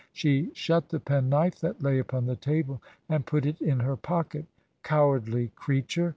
She shut the penknife that lay upon the table, and put it in her pocket. 'Cowardly creature!'